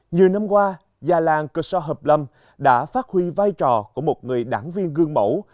nhiều năm qua gia làng cơ sơ hợp lâm đã phát huy vai trò của một người đảng viên gương mẫu